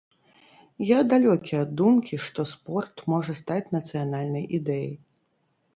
Я далёкі ад думкі, што спорт можа стаць нацыянальнай ідэяй.